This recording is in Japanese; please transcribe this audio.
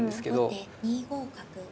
後手２五角。